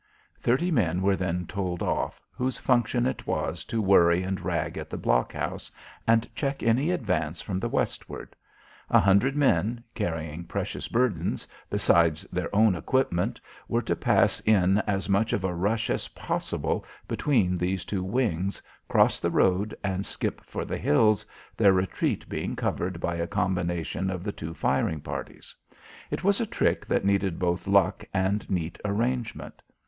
Thirty men were then told off, whose function it was to worry and rag at the blockhouse, and check any advance from the westward. A hundred men, carrying precious burdens besides their own equipment were to pass in as much of a rush as possible between these two wings, cross the road and skip for the hills, their retreat being covered by a combination of the two firing parties. It was a trick that needed both luck and neat arrangement.